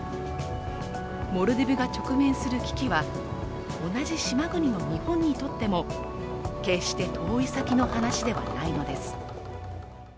モルディブが直面する危機は、同じ島国の日本にとっても決して遠い先の話ではないのです。